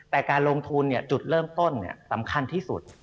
แต่การลงทุนจุดเริ่มต้นสำคัญที่สุด